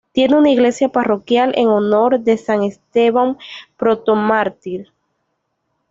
Tiene una iglesia parroquial en honor de San Esteban Protomártir.